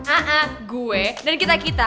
a a gue dan kita kita